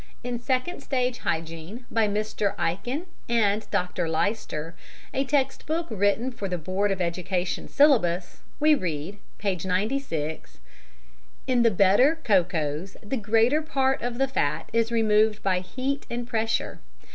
In Second Stage Hygiene, by Mr. Ikin and Dr. Lyster, a text book written for the Board of Education Syllabus, we read, p. 96: "... in the better cocoas the greater part of the fat is removed by heat and pressure.